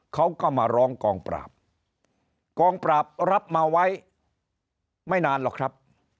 เขาก็มาร้องกองปราบกองปราบรับมาไว้ไม่นานหรอกครับ